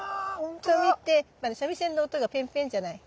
と見て三味線の音がぺんぺんじゃない。